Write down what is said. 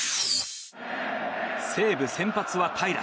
西武、先発は平良。